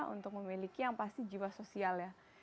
untuk memiliki yang pasti jiwa sosial ya